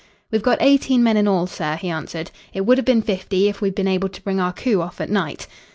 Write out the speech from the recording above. "We've got eighteen men in all, sir," he answered. "It would have been fifty if we'd been able to bring our coup off at night."